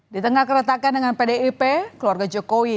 di tengah keretakan dengan pdip keluarga jokowi